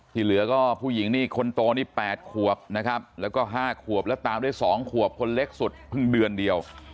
เหลือก็ผู้หญิงนี่คนโตนี่๘ขวบนะครับแล้วก็๕ขวบแล้วตามด้วย๒ขวบคนเล็กสุดเพิ่งเดือนเดียว